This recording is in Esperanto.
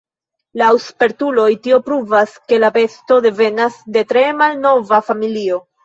Laŭ spertuloj tio pruvas, ke la besto devenas de tre malnova familio.